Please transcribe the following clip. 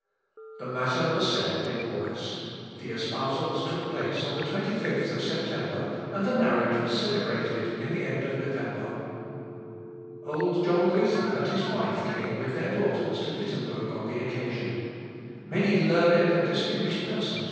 The matter was settled in August. The espousals took place on the 25th of September, and the marriage was celebrated in the end of November. Old John Luther and his wife came with their daughters to Wittemberg on the occasion. Many learned and distinguished persons were also present.